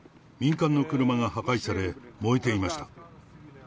民間の車が破壊され、燃えていました。